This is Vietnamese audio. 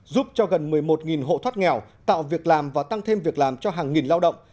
giúp cho gần một mươi một hộ thoát nghèo tạo việc làm và tăng thêm việc làm cho hàng nghìn lao động